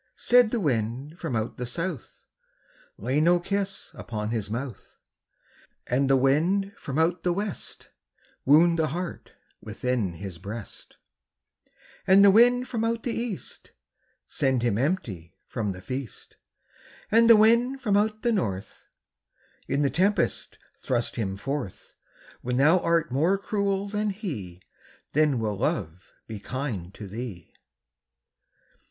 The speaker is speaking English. Said the wind from out the south, "Lay no kiss upon his mouth," And the wind from out the west, "Wound the heart within his breast," And the wind from out the east, "Send him empty from the feast," And the wind from out the north, "In the tempest thrust him forth; When thou art more cruel than he, Then will Love be kind to thee."